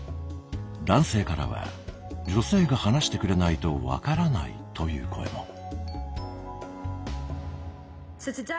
男性からは「女性が話してくれないと分からない」という声も。